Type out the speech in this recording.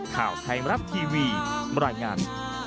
ข่าวไทยมรัฐทีวีบรรยายงาน